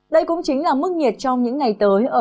đây cũng chính là mức nhiệt trong những ngày tới